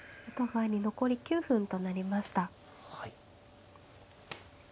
お互いに残り９分となりました。